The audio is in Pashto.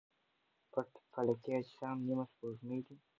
پټ فلکي اجسام نیمه سپوږمۍ دي.